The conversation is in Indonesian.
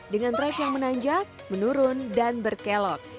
dengan trek yang menanjak menurun dan berkelok